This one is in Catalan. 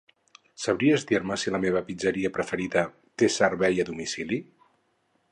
Sabries dir-me si la meva pizzeria preferida té servei a domicili?